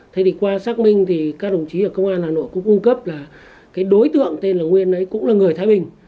thế thì qua xác minh thì các đồng chí ở công an hà nội cũng cung cấp là cái đối tượng tên là nguyên ấy cũng là người thái bình